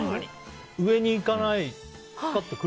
上に行かない。